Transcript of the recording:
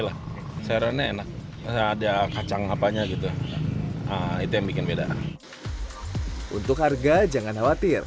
lah sayurannya enak ada kacang apanya gitu itu yang bikin beda untuk harga jangan khawatir